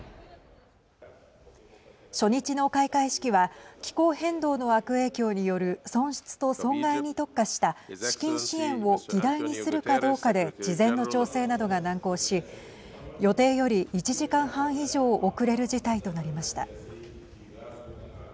初日の開会式は気候変動の悪影響による損失と損害に特化した資金支援を議題にするかどうかで事前の調整などが難航し予定より１時間半以上遅れる事態となりました。